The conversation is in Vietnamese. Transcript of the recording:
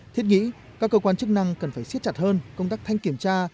thiết nghĩ các cơ quan chức năng cần phải siết chặt hơn công tác thanh kiểm tra